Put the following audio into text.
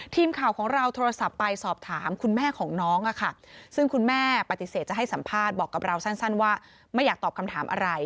ทีมข่าวของเราโทรศัพท์ไปสอบถามคุณแม่ของน้องอะค่ะซึ่งคุณแม่ปฏิเสธจะให้สัมภาษณ์บอกกับเราสั้นว่าไม่อยากตอบคำถามอะไร